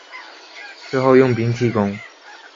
最后用兵进攻。